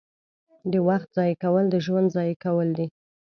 • د وخت ضایع کول د ژوند ضایع کول دي.